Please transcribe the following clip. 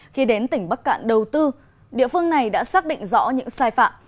khi đến tỉnh bắc cạn đầu tư địa phương này đã xác định rõ những sai phạm